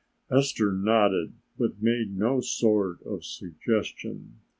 Esther nodded, but made no sort of suggestion.